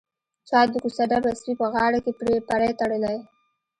چا د کوڅه ډبه سپي په غاړه کښې پړى تړلى.